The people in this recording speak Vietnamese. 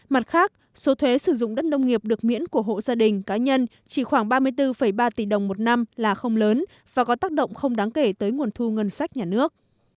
mặt khác số thuế sử dụng đất nông nghiệp được miễn của hộ gia đình cá nhân chỉ khoảng ba mươi bốn ba tỷ đồng một năm là không lớn và có tác động không đáng kể tới nguồn thu ngân sách nhà nước